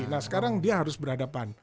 nah sekarang dia harus berhadapan